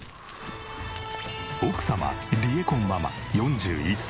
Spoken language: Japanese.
奥様りえこママ４１歳。